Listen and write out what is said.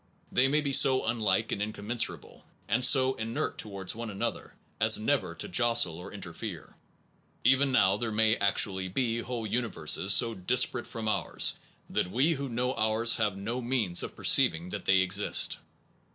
They may be so unlike and in commensurable, and so inert towards one an other, as never to jostle or interfere. Even now there may actually be whole universes so dis parate from ours that we who know ours have no means of perceiving that they exist.